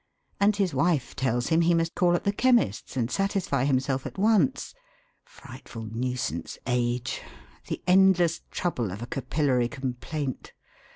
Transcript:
And his wife tells him he must call at the chemist's and satisfy himself at once. Frightful nuisance! Age! The endless trouble of a capillary complaint!